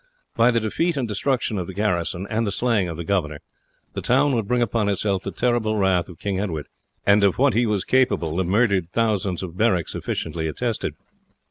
By the defeat and destruction of the garrison, and the slaying of the governor, the town would bring upon itself the terrible wrath of King Edward, and of what he was capable the murdered thousands at Berwick sufficiently attested.